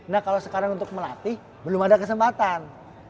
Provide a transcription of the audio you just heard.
nah kalau sekarang untuk melatih belum ada kesempatan